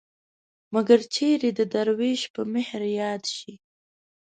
مګر چېرې د دروېش په مهر ياد شي